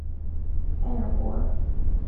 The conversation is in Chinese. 埃尔博尔。